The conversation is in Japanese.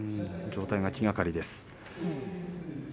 状態が気がかりです。